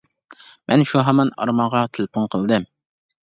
مەن شۇ ھامان ئارمانغا تېلېفون قىلدىم.